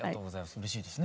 うれしいですね。